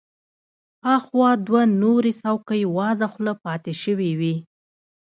اخوا دوه نورې څوکۍ وازه خوله پاتې شوې وې.